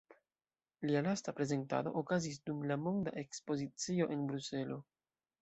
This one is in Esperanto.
Lia lasta prezentado okazis dum la Monda Ekspozicio en Bruselo.